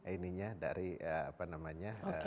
intinya dari apa namanya